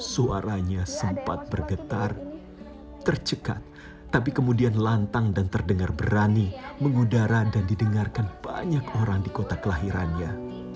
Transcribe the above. suaranya sempat bergetar tercekat tapi kemudian lantang dan terdengar berani mengudara dan didengarkan banyak orang di kota kelahirannya